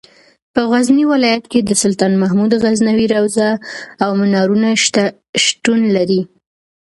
په غزني ولایت کې د سلطان محمود غزنوي روضه او منارونه شتون لري.